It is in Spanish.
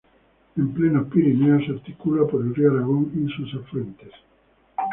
En plenos Pirineos se articula por el río Aragón y sus afluentes.